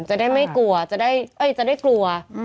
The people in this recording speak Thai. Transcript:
จะได้ไม่กลัวจะได้กลัว